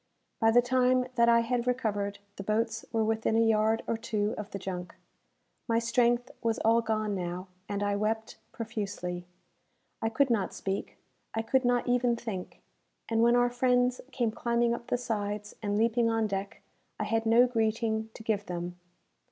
By the time that I had recovered, the boats were within a yard or two of the junk. My strength was all gone now, and I wept profusely. I could not speak I could not even think; and when our friends came climbing up the sides, and leaping on deck, I had no greeting to give them.